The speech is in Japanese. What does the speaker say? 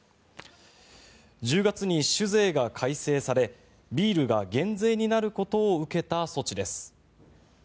１０月に酒税が改正されビールが減税になることを受けた措置です。